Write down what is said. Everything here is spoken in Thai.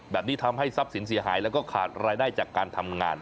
แบบนี้ทำให้ทรัพย์สินเสียหายแล้วก็ขาดรายได้จากการทำงาน